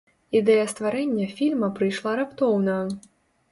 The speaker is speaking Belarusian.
Ідэя стварэння фільма прыйшла раптоўна.